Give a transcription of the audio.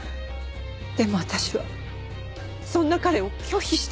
でも私はそんな彼を拒否してしまった。